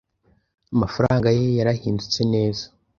Amafaranga ye yarahindutse neza.